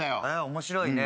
面白いね。